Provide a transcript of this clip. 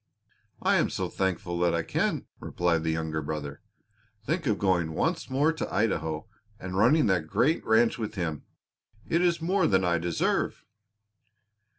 "I am so thankful that I can," replied the younger brother. "Think of going once more to Idaho and running that great ranch with him! It is more than I deserve."